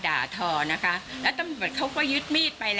การที่จะมาพูดว่าที่บ้านเรามีอิทธิพล